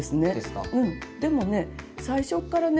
でもね最初からね